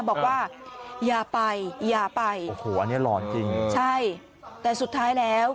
บอกว่าอย่าไปอย่าไปโอ้โหอันนี้หล่อนจริงใช่แต่สุดท้ายแล้ว